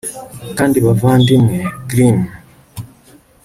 Kandi Bavandimwe Grimm